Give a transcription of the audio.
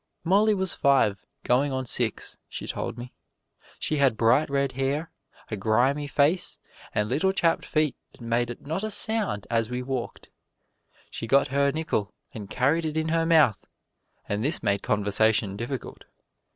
Molly was five, going on six, she told me. She had bright red hair, a grimy face and little chapped feet that made not a sound as we walked. She got her nickel and carried it in her mouth, and this made conversation difficult.